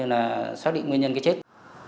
gây ra việc xác định nguyên nhân chết